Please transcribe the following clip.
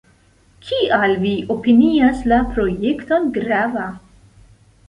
Kial vi opinias la projekton grava?